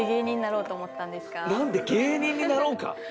「なんで芸人になろうか」？